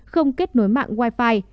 không kết nối mạng wi fi